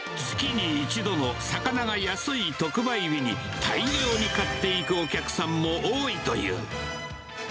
月に１度の魚が安い特売日に大量に買っていくお客さんも多いという。